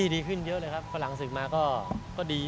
ดีขึ้นเยอะเลยครับฝรั่งศึกมาก็ดี